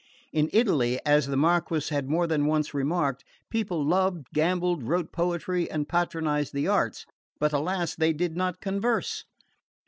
In Italy, as the Marquis had more than once remarked, people loved, gambled, wrote poetry, and patronised the arts; but, alas, they did not converse.